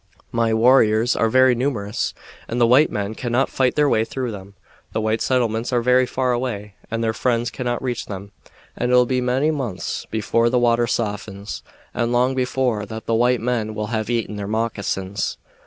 My warriors are very numerous, and the white men cannot fight their way through them. The white settlements are very far away, and their friends cannot reach them; and it will be many months before the water softens, and long before that the white men will have eaten their moccasins."